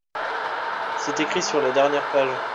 C'est écrit sur la dernière page.